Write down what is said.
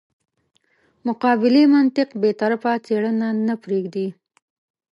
مقابلې منطق بې طرفه څېړنه نه پرېږدي.